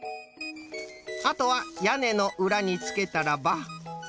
あとはやねのうらにつけたらば。